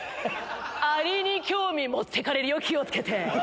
アリに興味持ってかれるよ気を付けて！